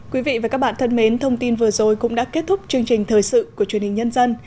quý vị và các bạn thân mến thông tin vừa rồi cũng đã kết thúc chương trình thời sự của truyền hình nhân dân